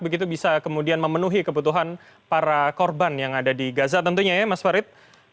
begitu bisa kemudian memenuhi kebutuhan para korban yang ada di gaza tentunya ya mas farid